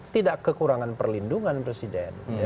tidak kekurangan perlindungan presiden